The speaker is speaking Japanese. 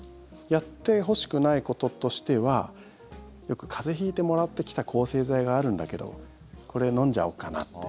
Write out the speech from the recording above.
やってほしくないこととしては風邪引いてもらってきた抗生剤があるんだけどこれ、飲んじゃおっかなって。